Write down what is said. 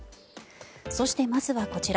そして、まずはこちら。